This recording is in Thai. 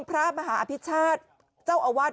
พระมหาอภิษฐาเจ้าอวัด